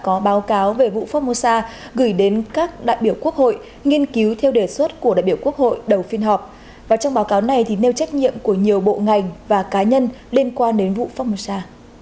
trong báo cáo về vụ phong mô sa gửi đến các đại biểu quốc hội nghiên cứu theo đề xuất của đại biểu quốc hội đầu phiên họp trong báo cáo này nêu trách nhiệm của nhiều bộ ngành và cá nhân liên quan đến vụ phong mô sa